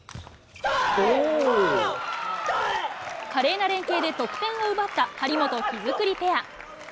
華麗な連係で得点を奪った張本・木造ペア。